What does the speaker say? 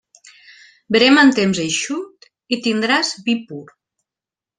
Verema en temps eixut i tindràs vi pur.